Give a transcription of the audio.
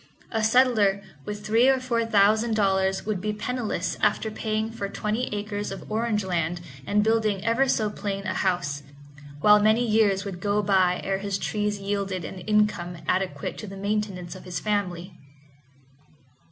A settler with three or four thousand dollars would be penniless after paying for twenty acres of orange land and building ever so plain a house, while many years would go by ere his trees yielded an income adequate to the maintenance of his family.